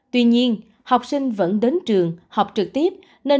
tuy nhiên học sinh vẫn đến trường học trực tiếp